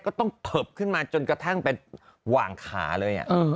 ต้องเผิบขึ้นมาจนกระทั่งไปหว่างขาเลย